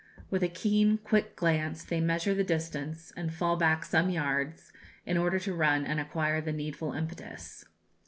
With a keen, quick glance they measure the distance, and fall back some yards, in order to run and acquire the needful impetus.